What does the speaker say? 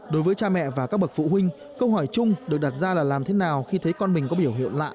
đối với cha mẹ và các bậc phụ huynh câu hỏi chung được đặt ra là làm thế nào khi thấy con mình có biểu hiện lạ